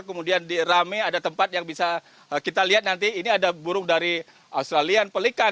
kemudian di rame ada tempat yang bisa kita lihat nanti ini ada burung dari australian pelikan